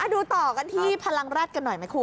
ดูต่อกันที่พลังรัฐกันหน่อยไหมคุณ